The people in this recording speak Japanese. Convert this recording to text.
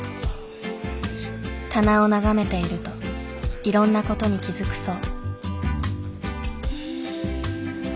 棚を眺めているといろんな事に気付くそう。